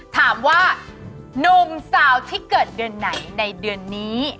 ถามว่าหนุ่มสาวที่เกิดเดือนไหนในเดือนนี้